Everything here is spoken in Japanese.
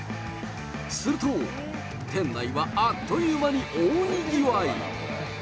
すると、店内はあっという間に大にぎわい。